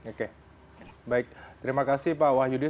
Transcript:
oke baik terima kasih pak wahyudin